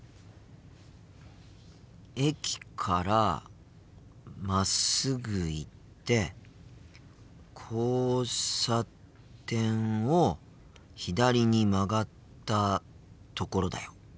駅からまっすぐ行って交差点を左に曲がったところだよ。